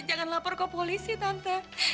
jangan lapor ke polisi tante